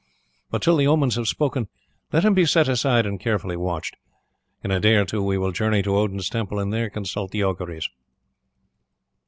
But till the omens have spoken let him be set aside and carefully watched. In a day or two we will journey to Odin's temple and there consult the auguries."